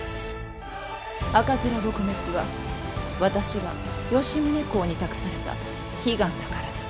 赤面撲滅は私が吉宗公に託された悲願だからです。